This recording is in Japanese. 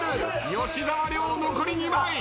吉沢亮残り２枚。